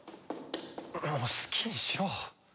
もう好きにしろ。